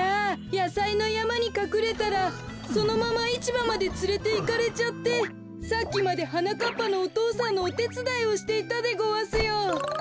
やさいのやまにかくれたらそのままいちばまでつれていかれちゃってさっきまではなかっぱのお父さんのおてつだいをしていたでごわすよ。